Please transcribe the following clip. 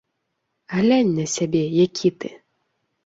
Глянь на сябе, які ты.